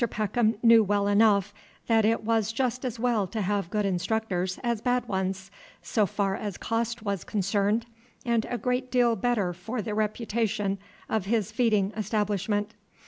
Peckham knew well enough that it was just as well to have good instructors as bad ones, so far as cost was concerned, and a great deal better for the reputation of his feeding establishment.